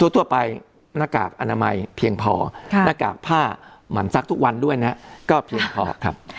ทั่วไปหน้ากากอนามัยเพียงพอหน้ากากผ้าหมั่นซักทุกวันด้วยนะก็เพียงพอครับ